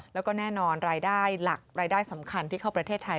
แล้วก็แน่นอนรายได้หลักรายได้สำคัญที่เข้าประเทศไทย